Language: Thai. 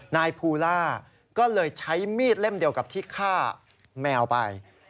นายภูล่าก็เลยใช้มีดเล่มเดียวกับที่ฆ่าแมวไป